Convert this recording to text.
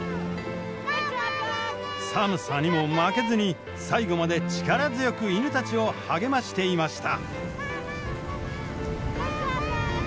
寒さにも負けずに最後まで力強く犬たちを励ましていました。